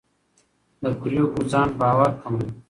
د پرېکړو ځنډ باور کموي